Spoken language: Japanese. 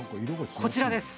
こちらです。